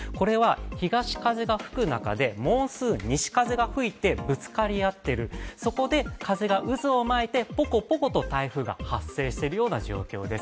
東風が吹く中でモンスーン、西風が吹いて、ぶつかり合っているそこで風が渦を巻いてポコポコと台風が発生しているような状況です。